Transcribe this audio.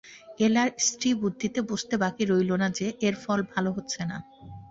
এলার স্ত্রীবুদ্ধিতে বুঝতে বাকি রইল না যে, এর ফল ভালো হচ্ছে না।